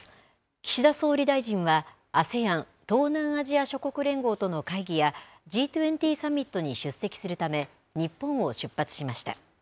岸田総理大臣は、ＡＳＥＡＮ・東南アジア諸国連合との会議や、Ｇ２０サミットに出席するため、日本を出発しました。